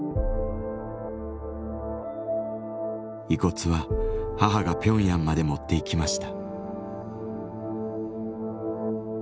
遺骨は母がピョンヤンまで持っていきました。